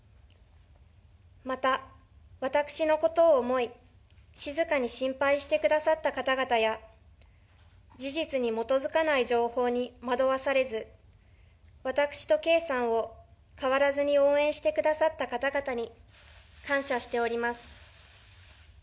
また私のことを思い、静かに心配してくださった方々や、事実に基づかない情報に惑わされず、私と圭さんを変わらずに応援してくださった方々に、感謝しております。